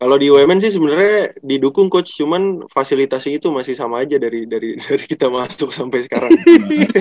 kalau di umn sih sebenarnya didukung coach cuman fasilitasnya itu masih sama aja dari kita masuk sampai sekarang